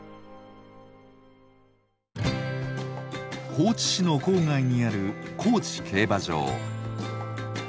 高知市の郊外にある高知競馬場。